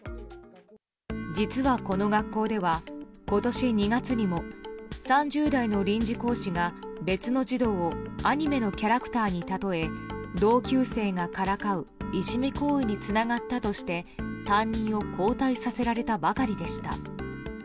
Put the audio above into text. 実は、この学校では今年２月にも３０代の臨時講師が別の児童をアニメのキャラクターに例え同級生がからかういじめ行為につながったとして担任を交代させられたばかりでした。